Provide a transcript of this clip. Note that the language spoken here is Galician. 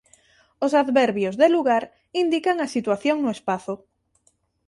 Os adverbios de lugar indican a situación no espazo.